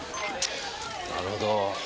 なるほど。